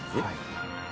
はい。